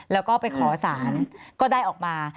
แล้วก็ไปขอสารก็ได้ออกมา